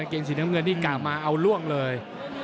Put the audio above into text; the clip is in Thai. เกงสีน้ำเงินนี่กลับมาเอาล่วงเลย